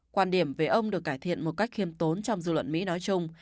quan điểm về ông được cải thiện một cách khiêm tốn trong dư luận mỹ nói chung